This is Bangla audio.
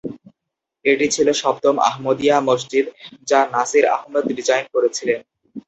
এটি ছিল সপ্তম আহমদিয়া মসজিদ যা নাসির আহমেদ ডিজাইন করেছিলেন।